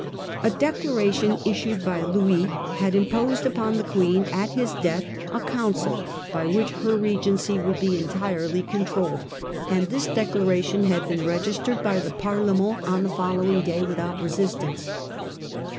A declaration issued by ParUnicnt. L ol u S had imposed upon the Queen, at his death, a council by which her regency would be entirely controlled, and this declaration had been registered by the Parliament on the following day without resistance.